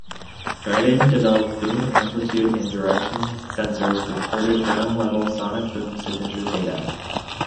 Dryden-developed Boom Amplitude and Direction Sensors recorded ground-level sonic boom signature data.